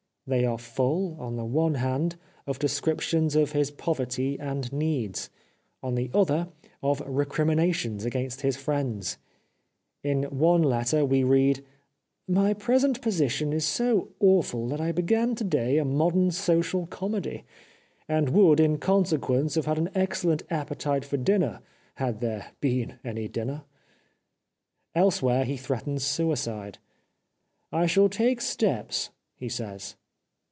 They are full, on the one hand, of de scriptions of his poverty and needs ; on the other of recriminations against his friends. In one letter we read :" My present position is so awful that I began to day a modern social comedy — and would in consequence have had an excellent appetite for dinner had there been any dinner," Elsewhere he threatens suicide. " I shall take steps," he says.